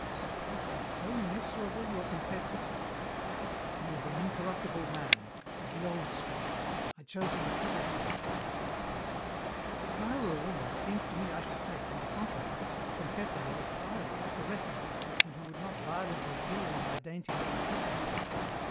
"Is he so inexorable, your confessor?" "He is an incorruptible man, of the old school. I chose him expressly." "If I were a woman it seems to me I should take, on the contrary, a confessor who was pliable and caressible and who would not violently pillory my dainty little sins.